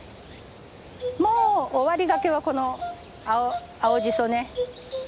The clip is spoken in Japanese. もう終わりがけはこの青じそね。